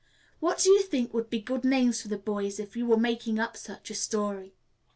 What do you think would be good names for the boys, if you were making up such a story?"